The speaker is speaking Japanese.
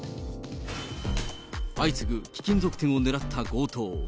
相次ぐ貴金属店を狙った強盗。